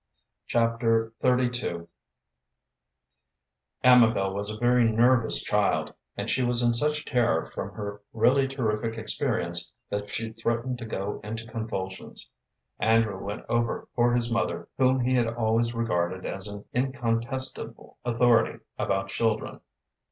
Chapter XXXII Amabel was a very nervous child, and she was in such terror from her really terrific experience that she threatened to go into convulsions. Andrew went over for his mother, whom he had always regarded as an incontestable authority about children.